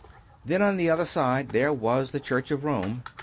Then on the other side there was the Church of Rome.